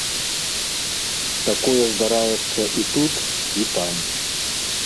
Такое здараецца і тут, і там.